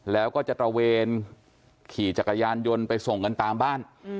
แล้วก็จะตระเวนขี่จักรยานยนต์ไปส่งกันตามบ้าน